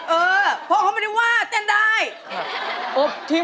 เออพ่อเขาไม่ได้ว่าเต้นได้